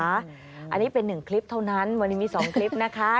อันนี้เป็นหนึ่งคลิปเท่านั้นวันนี้มี๒คลิปนะคะ